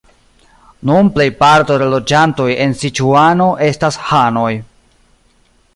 Nun plejparto de la loĝantoj en Siĉuano estas hanoj.